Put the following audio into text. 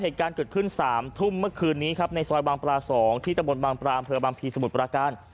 เหตุการณ์เกิดขึ้น๓ทุ่มเมื่อคืนนี้ครับในซอยบางปลา๒ที่ตะบนบางปลาอำเภอบางพีสมุทรปราการ